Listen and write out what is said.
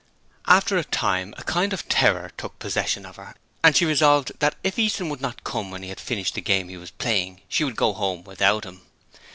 After a time a kind of terror took possession of her, and she resolved that if Easton would not come when he had finished the game he was playing, she would go home without him.